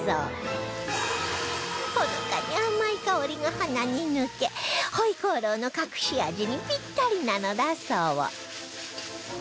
ほのかに甘い香りが鼻に抜け回鍋肉の隠し味にピッタリなのだそう